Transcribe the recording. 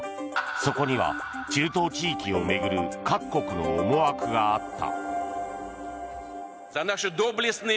そこには、中東地域を巡る各国の思惑があった。